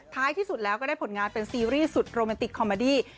ที่สุดแล้วก็ได้ผลงานเป็นซีรีส์สุดโรแมนติกคอมเมอดี้